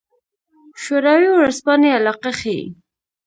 شوروي ورځپاڼې علاقه ښيي.